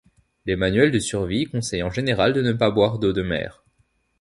Les manuels de survie conseillent en général de ne pas boire d'eau de mer.